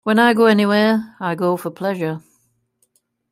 When I go anywhere, I go for pleasure.